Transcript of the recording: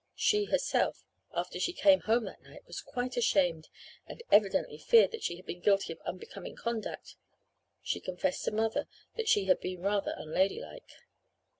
She, herself, after she came home that night was quite ashamed and evidently feared that she had been guilty of unbecoming conduct: she confessed to mother that she had been 'rather unladylike.'